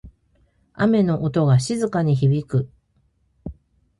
雨の音が静かに響く。